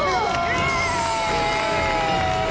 イエイ！